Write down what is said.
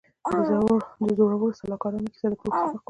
د زړورو سلاکارانو کیسه د پوهې سبق ورکوي.